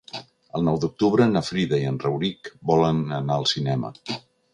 El nou d'octubre na Frida i en Rauric volen anar al cinema.